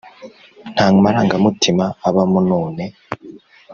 ntamaranga mutima abamo none